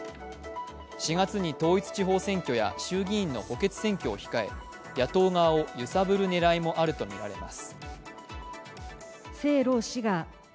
４月に統一地方選挙や衆議院の補欠選挙を控え野党側を揺さぶる狙いもあるとみられます。